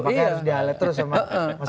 makanya harus dialet terus sama mas arsang